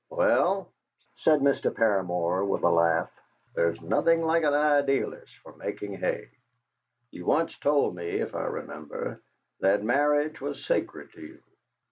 "Well," said Mr. Paramor with a laugh, "there is nothing like an idealist for making hay! You once told me, if I remember, that marriage was sacred to you!"